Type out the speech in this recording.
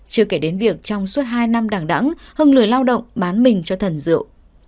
chưa kể đến việc trong suốt hai năm đẳng đẳng hưng lười lao động bán mình cho thần rượu